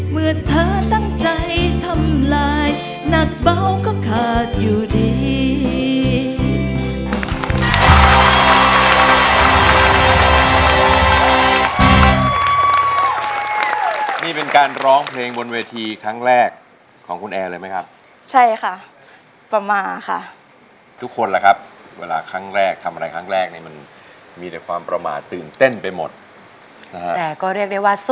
เหมือนเธอตั้งใจทำลายหนักเบาก็ขาดอยู่ดี